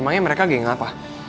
emangnya mereka geng apa